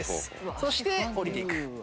そして下りていく。